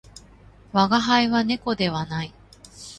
我が輩は猫ではない